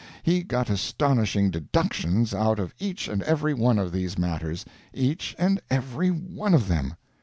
He got astonishing "deductions" out of each and every one of these matters each and every one of them.